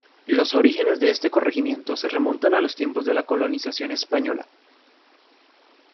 Los orígenes de este corregimiento se remontan a los tiempos de la colonización española.